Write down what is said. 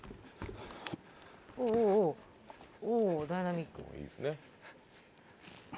おぉダイナミック。